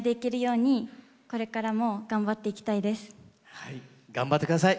はい頑張って下さい！